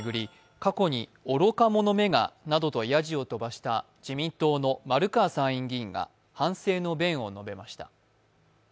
過去に愚か者めがなどとやじを飛ばした自民党の丸川参院議員が反省の弁を述べました。